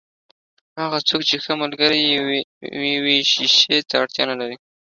هغه څوک چې ښه ملګری يې وي، شیشې ته اړتیا نلري.